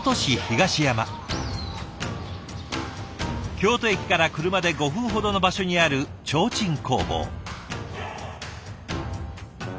京都駅から車で５分ほどの場所にある提灯工房。